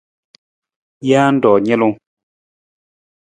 Jee ru nalung.